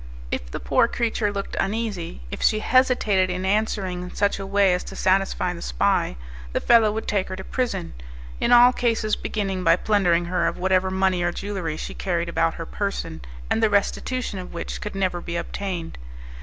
If the poor creature looked uneasy, if she hesitated in answering in such a way as to satisfy the spy, the fellow would take her to prison; in all cases beginning by plundering her of whatever money or jewellery she carried about her person, and the restitution of which could never be obtained.